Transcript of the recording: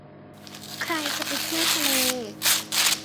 ใครจะไปเที่ยวทะเล